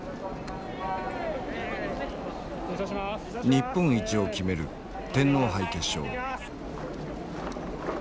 日本一を決める天皇杯決勝。